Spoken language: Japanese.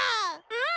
うん！